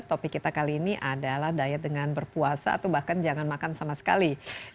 topik kita kali ini adalah diet dengan berpuasa atau bahkan jangan makan sama sekali